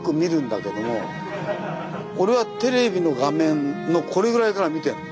俺はテレビの画面のこれぐらいから見てんの。